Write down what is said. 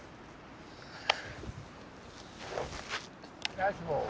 ナイスボール！